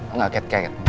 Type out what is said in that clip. oh gak kate kate